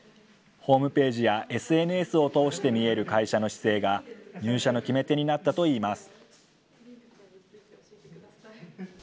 ホームページやＳＮＳを通して見える会社の姿勢が、入社の決め手になったといいます。